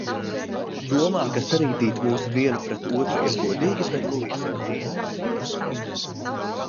Domā, ka sarīdīt mūs vienu pret otru ir godīgi pret Luisa klienti?